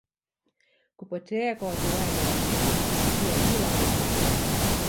kupotea kwa watu wale wanaojaribu kuingia bila ruhusu